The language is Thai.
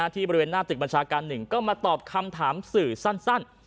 ที่บริเวณหน้าตึกบัญชาการ๑ก็มาตอบคำถามสื่อสั้น